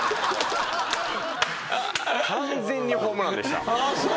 完全にホームランでした。